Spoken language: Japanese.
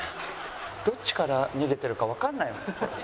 どっちから逃げてるかわかんない。